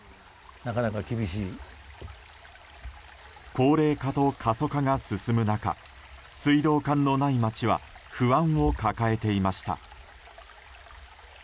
高齢化と過疎化が進む中水道管のない街は不安を抱えていました。